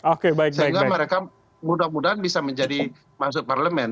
sehingga mereka mudah mudahan bisa menjadi masuk parlemen